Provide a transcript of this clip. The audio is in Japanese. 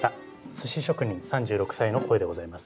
寿司職人３６歳の声でございます。